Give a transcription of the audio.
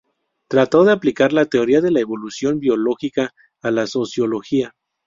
Trató de aplicar la teoría de la evolución biológica a la sociología.